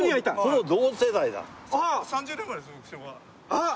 あっ！